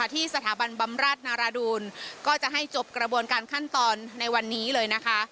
ที่สถาบันบำราชนารดูลก็จะให้จบกระบวนการขั้นตอนในวันนี้เลยนะคะ